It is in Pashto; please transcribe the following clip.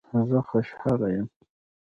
زه خوشحاله یم